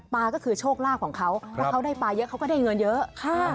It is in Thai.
ก็คือโชคลาภของเขาถ้าเขาได้ปลาเยอะเขาก็ได้เงินเยอะ